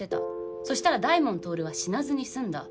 そしたら大門亨は死なずに済んだ。